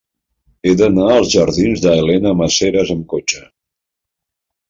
He d'anar a la jardins d'Elena Maseras amb cotxe.